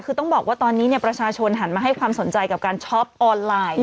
คือต้องบอกว่าตอนนี้ประชาชนหันมาให้ความสนใจกับการช็อปออนไลน์